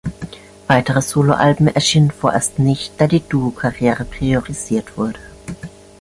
Weitere Soloalben erschienen vorerst nicht, da die Duo-Karriere priorisiert wurde.